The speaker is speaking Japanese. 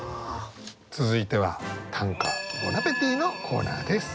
続いては「短歌ボナペティ」のコーナーです。